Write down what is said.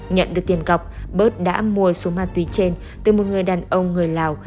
nhận được tiền cọc bớt đã mua số ma túy trên từ một người đàn ông người lào